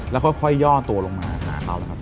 แล้วค่อยย่อตัวลงมาหาเขานะครับ